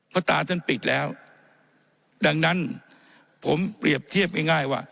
เพราะตาท่านปิดแล้วดังนั้นผมเปรียบเทียบง่ายว่า